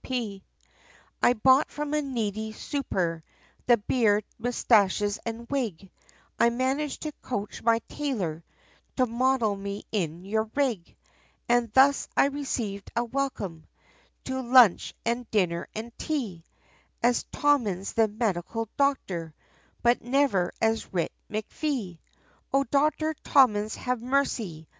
C.P.! I bought from a needy super, the beard, moustaches, and wig, I managed to coach my tailor, to model me in your rig, And thus I received a welcome, to lunch, and dinner, and tea, As Tommins the medical doctor, but never as Writ MacFee. O Doctor Tommins have mercy!